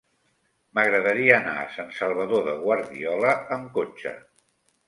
M'agradaria anar a Sant Salvador de Guardiola amb cotxe.